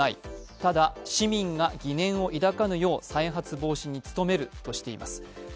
ただ市民が疑念を抱かぬよう再発防止に努めるとしています。